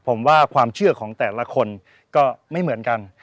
ผมว่าความเชื่อของแต่ละคนก็ไม่เหมือนกัน